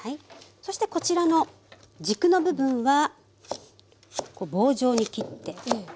そしてこちらの軸の部分はこう棒状に切って。